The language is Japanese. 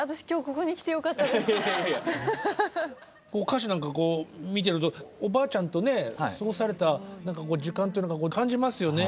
歌詞なんかこう見てるとおばあちゃんとね過ごされた時間っていうのが感じますよね。